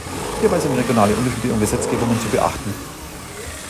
Hierbei sind regionale Unterschiede und Gesetzgebungen zu beachten.